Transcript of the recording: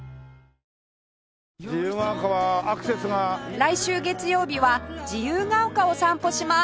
来週月曜日は自由が丘を散歩します